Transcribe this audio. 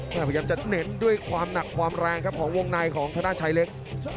พยายามจะเน้นด้วยความหนักความแรงครับของวงในของธนาชัยเล็ก